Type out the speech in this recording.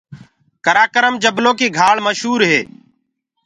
ڪرآڪرم جبلو ڪيٚ گھآݪ مشوُر هي۔